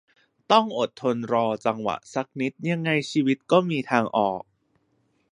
ต้องอดทนรอจังหวะสักนิดยังไงชีวิตก็มีทางออก